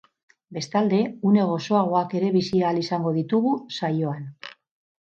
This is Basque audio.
Bestalde, une gozoagoak ere bizi ahal izango ditugu saioan.